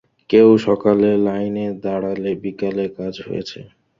কেউ সকালে লাইনে দাড়ালে বিকালে কাজ হয়েছে।